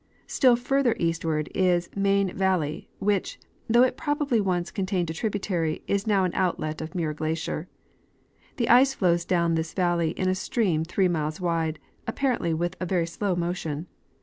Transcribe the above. Still further eastward is Main valley, which, though it proba bly once contained a tributary, is now an outlet of Muir glacier. The ice flows down this valley in a stream three miles wide, apparently with a very slow motion.